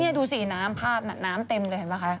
นี่ดูสิน้ำภาพน่ะน้ำเต็มเลยเห็นป่ะคะ